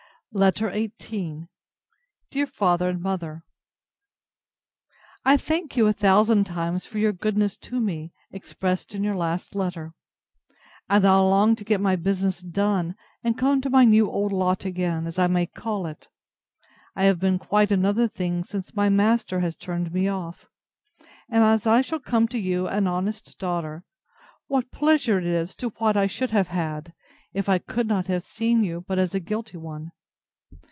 LETTER XVIII DEAR FATHER AND MOTHER, I thank you a thousand tines for your goodness to me, expressed in your last letter. I now long to get my business done, and come to my new old lot again, as I may call it. I have been quite another thing since my master has turned me off: and as I shall come to you an honest daughter, what pleasure it is to what I should have had, if I could not have seen you but as a guilty one.